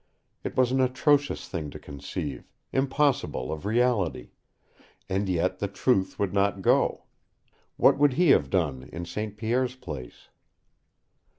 It was an atrocious thing to conceive, impossible of reality. And yet the truth would not go. What would he have done in St. Pierre's place?